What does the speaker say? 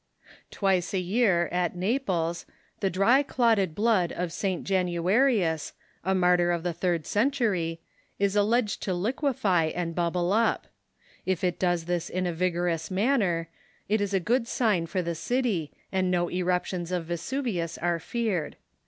Twice a year, at Naples, the dry clotted blood of St. Janua rius, a martyr of the third century, is alleged to liquefy and The Liquefaction bubble up. If it does this in a vigorous manner, of the Blood it is a good sign for the city, and no eruptions of St. Januarius ^f Vesuvius are feared.